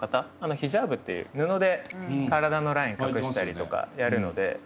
ヒジャーブっていう布で体のライン隠したりとかやるので。